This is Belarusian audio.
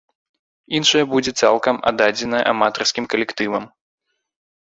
Іншая будзе цалкам аддадзеная аматарскім калектывам.